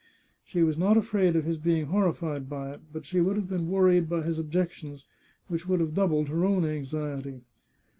She was not afraid of his being horrified by it, but she would have been worried by his objections, which would have doubled her own anxiety.